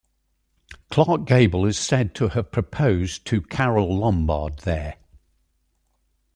Clark Gable is said to have proposed to Carole Lombard there.